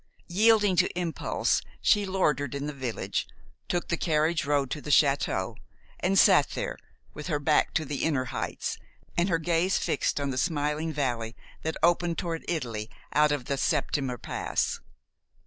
Yielding to impulse, she loitered in the village, took the carriage road to the château, and sat there, with her back to the inner heights and her gaze fixed on the smiling valley that opened toward Italy out of the Septimer Pass.